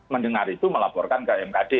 mendengar itu melaporkan ke mkd